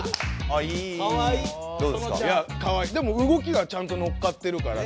でも動きがちゃんとのっかってるから。